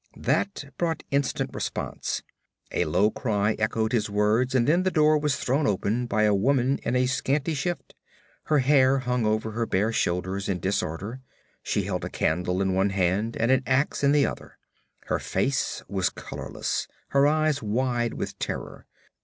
That brought instant response. A low cry echoed his words and then the door was thrown open by a woman in a scanty shift. Her hair hung over her bare shoulders in disorder; she held a candle in one hand and an ax in the other. Her face was colorless, her eyes wide with terror.